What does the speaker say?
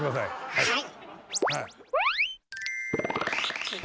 はい。